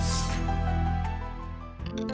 สู้